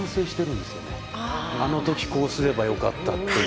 あの時こうすればよかったっていう。